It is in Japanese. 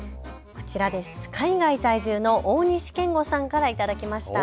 海外在住の大西健悟さんから頂きました。